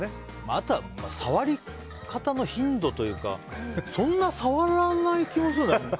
あとは、触り方の頻度というかそんな触らない気もするんだよね。